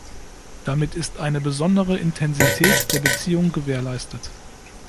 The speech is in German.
Damit ist eine besondere Intensität der Beziehung gewährleistet.